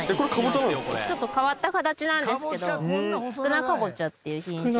ちょっと変わった形なんですけど宿儺かぼちゃっていう品種の。